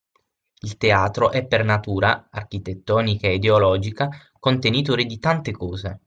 Il teatro è per natura, architettonica e ideologica, contenitore di tante cose